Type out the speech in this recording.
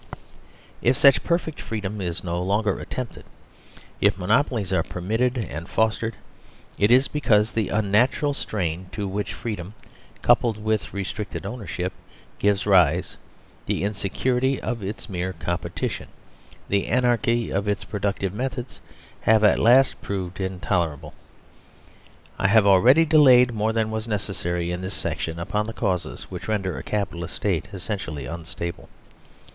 If such perfect free dom is no longer attempted, if monopolies are per mitted and fostered, it is because the unnatural strain to which freedom, coupled with restricted ownership, gives rise, the insecurity of its mere competition, the anarchy of its productive methods have at last prov ed intolerable. 92 STATE GROWS UNSTABLE I have already delayed more than was necessary in this section upon the causes which render a Capi talist State essentially unstable.